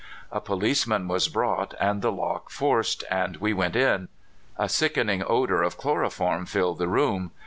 A policeman was brought, the lock forced, and we went in. A sickening odor of chloroform filled the room.